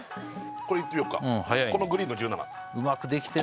これいってみようかこのグリーンの１７うまくできてんな